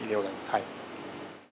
はい。